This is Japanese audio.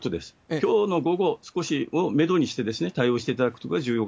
きょうの午後を少しメドにして対応していただくということが重要